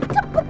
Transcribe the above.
cepet masuk yuk